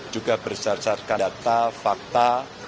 juga berdasarkan data fakta